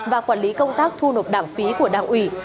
và quản lý công tác thu nộp đảng phí của đảng ủy